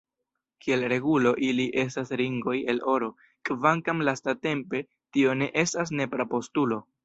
Kiel regulo, ili estas ringoj el oro, kvankam lastatempe tio ne estas nepra postulo.